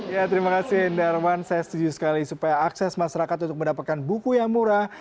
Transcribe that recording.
ya terima kasih indrawan saya setuju sekali supaya akses masyarakat untuk mendapatkan buku yang murah